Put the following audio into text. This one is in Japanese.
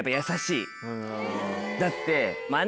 だって。